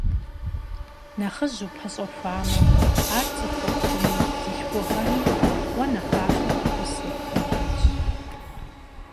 Nexhıj vupeş'exuame, ar ts'ıxuxhumi bzılhxuğemi vue nexhape f'exhus yêpxın xuêyş.